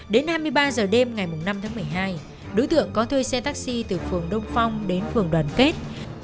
đến hai mươi ba h đêm ngày năm tháng một mươi hai đối tượng có thuê xe taxi từ phường đông phong đến phường đoàn kết